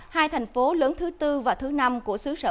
hai thành phố lớn thứ tư và thứ năm của xứ sở